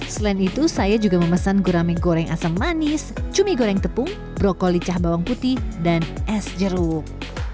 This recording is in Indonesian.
selain itu saya juga memesan gurame goreng asam manis cumi goreng tepung brokoli cah bawang putih dan es jeruk